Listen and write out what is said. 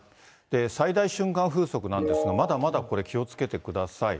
最大瞬間風速なんですが、まだまだこれ、気をつけてください。